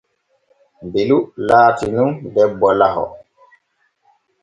Belu laati nun debbo laho.